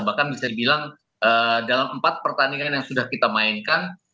bahkan bisa dibilang dalam empat pertandingan yang sudah kita mainkan